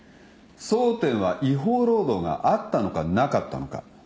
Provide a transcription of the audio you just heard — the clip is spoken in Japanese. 争点は違法労働があったのかなかったのか。